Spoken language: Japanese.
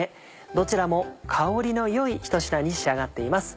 どちらも香りの良い一品に仕上がっています。